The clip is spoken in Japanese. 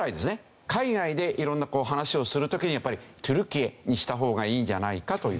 海外で色んな話をする時にやっぱりテュルキエにした方がいいんじゃないかという事。